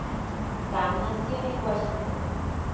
Camp nació en Washington.